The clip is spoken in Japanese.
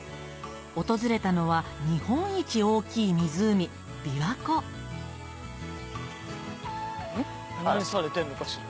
訪れたのは日本一大きい湖琵琶湖何されてるのかしら？